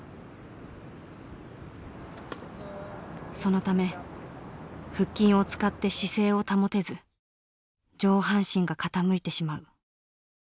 そのため腹筋を使って姿勢を保てず上半身が傾いてしまう。